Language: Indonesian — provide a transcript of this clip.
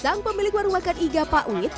sang pemilik warung makan iga pak wit